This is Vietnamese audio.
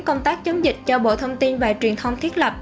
công tác chống dịch cho bộ thông tin